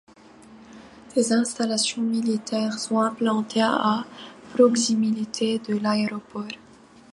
Des installations militaires sont implantées à proximité de l'aéroport.